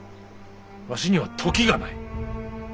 わしには時がない。